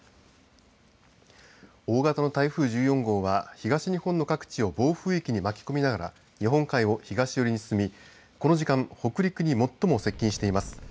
大型の台風１４号は東日本の各地を暴風域に巻き込みながら日本海を東寄りに進みこの時間北陸に最も接近しています。